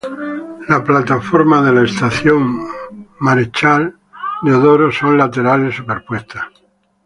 Las plataformas de la Estación Marechal Deodoro son laterales superpuestas.